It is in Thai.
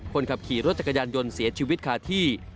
คนขับขี่รถจักรยานยนต์เสียชีวิตคาที่